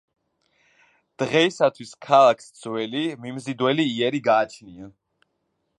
დღეისათვის ქალაქს ძველი, მიმზიდველი იერი გააჩნია.